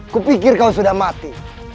kupikir kau sudah mati